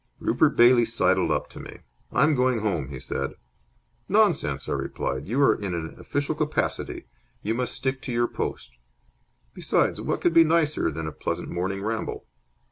Rupert Bailey sidled up to me. "I'm going home," he said. "Nonsense!" I replied. "You are in an official capacity. You must stick to your post. Besides, what could be nicer than a pleasant morning ramble?"